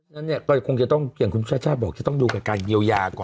นั้นเนี่ยก็คงจะต้องอย่างคุณชาติชาติบอกจะต้องดูกับการเยียวยาก่อน